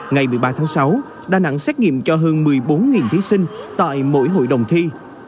ngày một mươi ba tháng sáu đà nẵng xét nghiệm cho hơn một mươi bốn thí sinh tại mỗi hội đồng thi